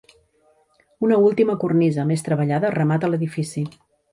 Una última cornisa, més treballada, remata l'edifici.